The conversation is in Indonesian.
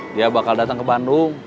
dia bakal datang ke bandung